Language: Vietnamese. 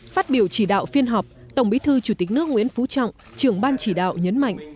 phát biểu chỉ đạo phiên họp tổng bí thư chủ tịch nước nguyễn phú trọng trưởng ban chỉ đạo nhấn mạnh